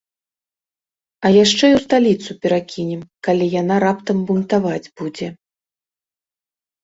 А яшчэ і ў сталіцу перакінем, калі яна раптам бунтаваць будзе.